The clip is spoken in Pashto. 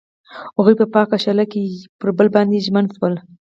هغوی په پاک شعله کې پر بل باندې ژمن شول.